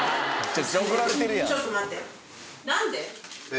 ちょっと待って、なんで。